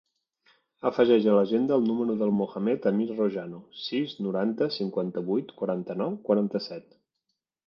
Afegeix a l'agenda el número del Mohamed amir Rojano: sis, noranta, cinquanta-vuit, quaranta-nou, quaranta-set.